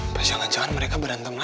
apa jangan jangan mereka berantem lagi ya